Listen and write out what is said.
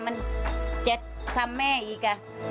มันจะทำแม่อีก